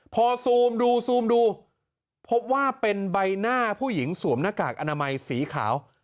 พอซูมดูซูมดูพบว่าเป็นใบหน้าผู้หญิงสวมหน้ากากอนามัยสีขาว